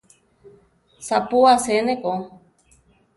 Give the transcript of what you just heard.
Sapú asé ne ko.